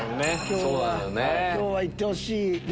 今日は行ってほしい。